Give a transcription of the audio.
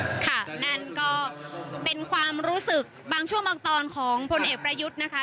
ค่ะนั่นก็เป็นความรู้สึกบางช่วงบางตอนของพลเอกประยุทธ์นะคะ